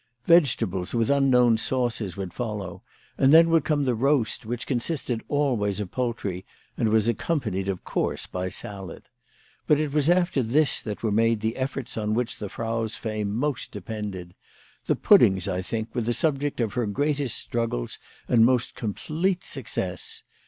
Vegetables with unknown sauces would follow, and then would come the roast, which consisted always of poultry, and was accompanied of course by salad. But it was after this that were made the efforts on which the Frau's fame most depended. The puddings, I think, were the sub ject of her greatest struggles and most complete success.